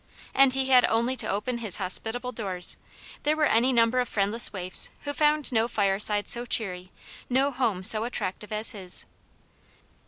And he had only to open his hospitable doors : there were any number of friendless waifs who found no fireside so cheery, no home so attractive as his.